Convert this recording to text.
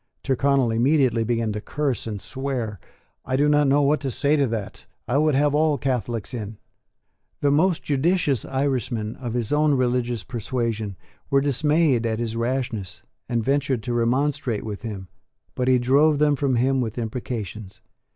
Tyrconnel immediately began to curse and swear. "I do not know what to say to that; I would have all Catholics in." The most judicious Irishmen of his own religious persuasion were dismayed at his rashness, and ventured to remonstrate with him; but he drove them from him with imprecations.